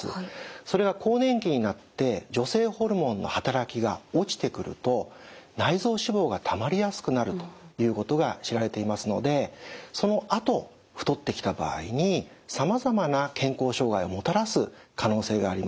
それが更年期になって女性ホルモンの働きが落ちてくると内臓脂肪がたまりやすくなるということが知られていますのでそのあと太ってきた場合にさまざまな健康障害をもたらす可能性があります。